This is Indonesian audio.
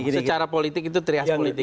secara politik itu terias politik